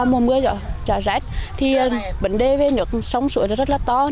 mùa mưa trở rách thì vấn đề về nước sông sữa rất là to